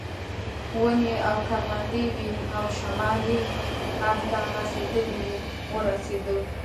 ونې او کروندې وې او شمالي اړخ ته غځېدلې وه ورسېدم.